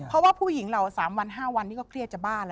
เพราะว่าผู้หญิงเรา๓๕วันก็เครียดจะบ้าน